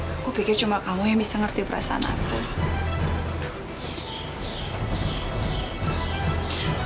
aku pikir cuma kamu yang bisa ngerti perasaan aku